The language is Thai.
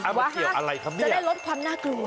จะได้ลดความน่าเกลอ